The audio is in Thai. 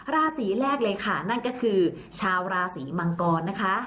ราศีแรกเลยค่ะนั่นก็คือชาวราศีมังกรนะคะ